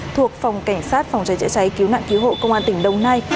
thuộc phòng cảnh sát phòng cháy chữa cháy cứu nạn cứu hộ công an tỉnh đồng nai